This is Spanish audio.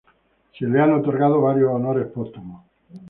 Se le han otorgado varios honores póstumos.